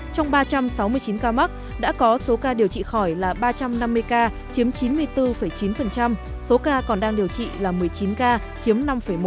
trong ba trăm sáu mươi chín ca mắc đã có số ca điều trị khỏi là ba trăm năm mươi ca chiếm chín mươi bốn chín số ca còn đang điều trị là một mươi chín ca chiếm năm một